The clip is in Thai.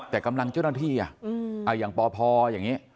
แต่กำลังเจ้าหน้าที่อย่างปพอย่างนี้